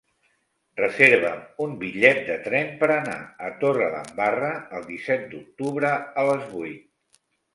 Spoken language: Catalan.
Reserva'm un bitllet de tren per anar a Torredembarra el disset d'octubre a les vuit.